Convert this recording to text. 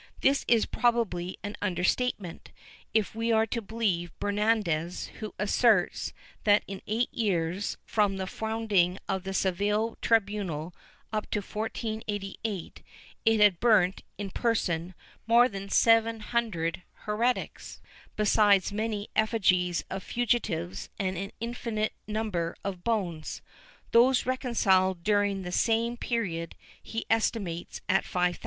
* This is probably an understatement, if we are to beheve Bernaldez, who asserts that in eight years, from the founding of the Seville tribunal up to 1488, it had burnt in person more than 700 heretics, besides many effigies of fugitives and an infinite number of bones; those reconciled during the same period he estimates at 5000.